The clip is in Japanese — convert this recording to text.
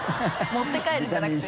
持って帰るんじゃなくて？